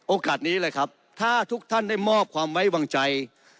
โอกาสนี้เลยครับถ้าทุกท่านได้มอบความไว้วางใจ